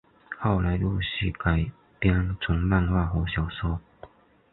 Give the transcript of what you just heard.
后来陆续改编成漫画和小说。